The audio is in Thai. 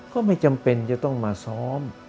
ก็ไม่จำเป็นจะต้องมาซ้อม